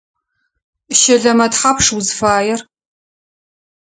Щэлэмэ тхьапш узфаер?